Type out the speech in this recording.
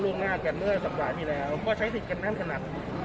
ร่วมมากกันเมื่อสัปดาห์ที่แล้วก็ใช้สิทธิ์สันตาคนนั่นขนาด